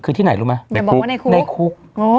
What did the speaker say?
คือที่ไหนรู้ไหมในคุก